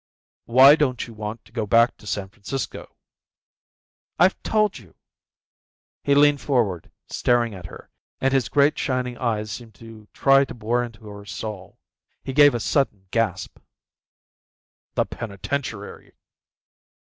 "Why don't you want to go back to San Francisco?" "I've told you." He leaned forward, staring at her, and his great, shining eyes seemed to try to bore into her soul. He gave a sudden gasp. "The penitentiary."